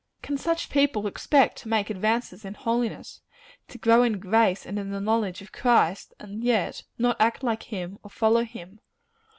Can such people expect to make advances in holiness to grow in grace and in the knowledge of Christ and yet not act like him, or follow him?